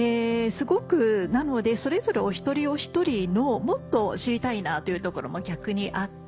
なのでそれぞれお一人お一人のもっと知りたいなというところも逆にあって。